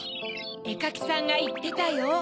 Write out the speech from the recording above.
えかきさんがいってたよ。